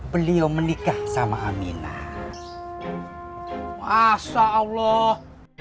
beliau melikah sama aminah masya allah